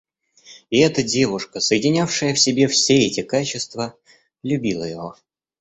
И эта девушка, соединявшая в себе все эти качества, любила его.